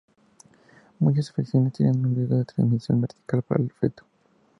Muchas infecciones tienen un riesgo de transmisión vertical para el feto.